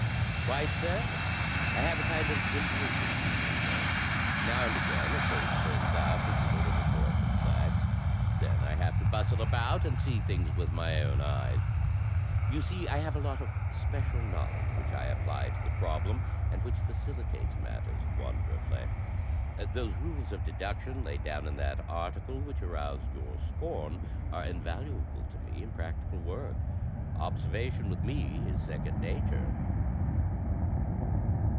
"Quite so. I have a kind of intuition that way. Now and again a case turns up which is a little more complex. Then I have to bustle about and see things with my own eyes. You see, I have a lot of special knowledge which I apply to the problem, and which facili tates matters wonderfully. Those rules of deduction laid down in that article which aroused your scorn are invaluable to me in prac tical work. Observation with me is second nature."